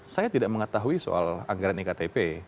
saya tidak mengetahui soal anggaran iktp